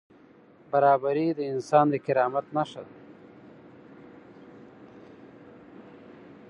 برابري د انسان د کرامت نښه ده.